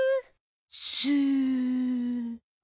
スー。